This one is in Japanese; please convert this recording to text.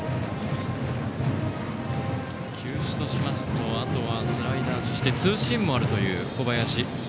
球種としますとあとはスライダー、ツーシームもあるという小林。